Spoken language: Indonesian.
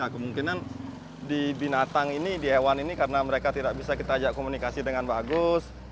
kemungkinan di binatang ini di hewan ini karena mereka tidak bisa kita ajak komunikasi dengan bagus